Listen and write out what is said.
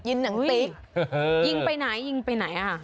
หนังติ๊กยิงไปไหนยิงไปไหนอ่ะค่ะ